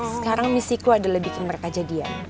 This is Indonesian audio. sekarang misiku adalah bikin mereka jadian